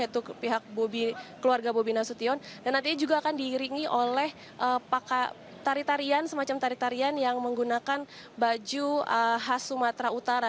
dan nantinya juga akan diiringi oleh paka tari tarian semacam tari tarian yang menggunakan baju khas sumatera utara